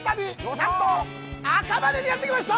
なんと、赤羽にやってきました！